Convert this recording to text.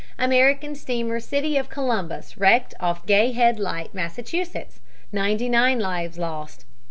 American steamer City of Columbus wrecked off Gay Head Light, Massachusetts; 99 lived lost.